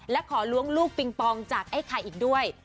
และขอล้วงลูกปิงปองจากไอ้ไข่อีกด้วย